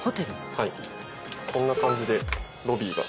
はいこんな感じでロビーが。